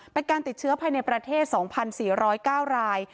เป็นการติดเชื้อภายในประเทศ๒๔๐๙ราย